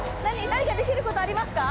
何かできることありますか？